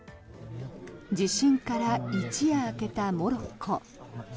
地震から一夜明けたモロッコ。